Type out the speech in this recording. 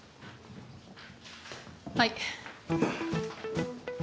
はい。